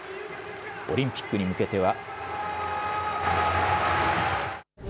オリンピックに向けては。